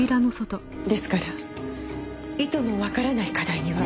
ですから意図のわからない課題には。